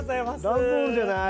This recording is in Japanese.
段ボールじゃない？